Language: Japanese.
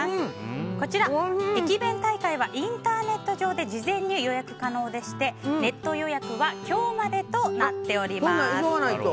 こちら駅弁大会はインターネット上で事前に予約可能でしてネット予約は今日までとなっております。